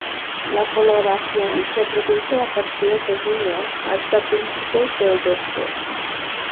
La floración se produce a partir de junio hasta principios de agosto.